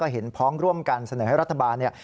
เห็นพ้องร่วมกันเสนอให้รัฐบาลเนี่ย